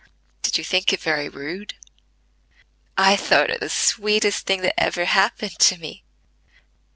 Did you think it very rude?" "I thought it the sweetest thing that ever happened to me.